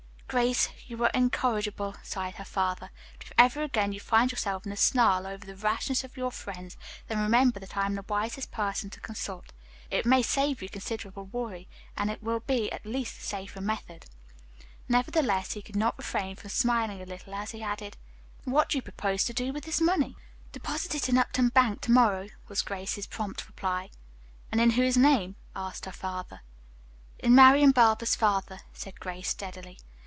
"Grace, you are incorrigible," sighed her father, "but if ever again you find yourself in a snarl over the rashness of your friends, then remember that I am the wisest person to consult. It may save you considerable worry, and will be at least a safer method." Nevertheless, he could not refrain from smiling a little as he added, "What do you propose to do with this money?" "Deposit it in Upton Bank, to morrow," was Grace's prompt reply. "And in whose name?" asked her father. "In Marian Barber's father," said Grace steadily.